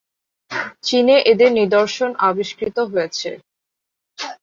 চীনে এদের নিদর্শন আবিষ্কৃত হয়েছে।